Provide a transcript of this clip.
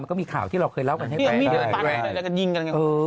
มันก็มีข่าวที่เราเคยเล่ากันให้ไปใช่ใช่แล้วก็ยิงกัน